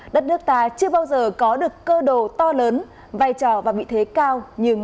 đất nước ta chưa bao giờ có được cơ đồ to lớn vai trò và vị thế cao